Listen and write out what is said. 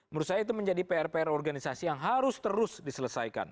menurut saya itu menjadi pr pr organisasi yang harus terus diselesaikan